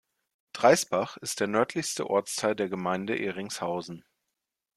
Dreisbach ist der nördlichste Ortsteil der Gemeinde Ehringshausen.